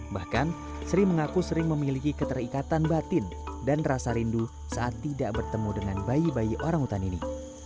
bahkan sri mengaku sering memiliki keterikatan batin dan rasa rindu saat tidak bertemu dengan bayi bayi orangutan ini